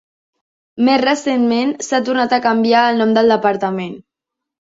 Més recentment, s"ha tornat a canviar el nom del departament.